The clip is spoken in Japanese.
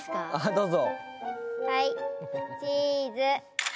どうぞ。